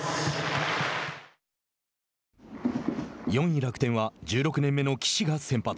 ４位楽天は１６年目の岸が先発。